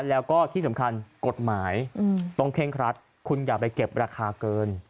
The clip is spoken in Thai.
แล้วก็ที่สำคัญกฎหมายต้องเคร่งครัดคุณอย่าไปเก็บราคาเกิน